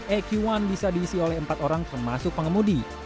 eq satu bisa diisi oleh empat orang termasuk pengemudi